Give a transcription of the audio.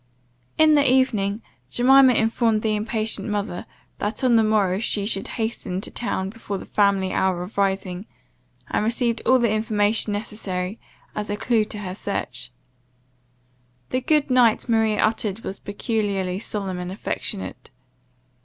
In the evening, Jemima informed the impatient mother, that on the morrow she should hasten to town before the family hour of rising, and received all the information necessary, as a clue to her search. The "Good night!" Maria uttered was peculiarly solemn and affectionate.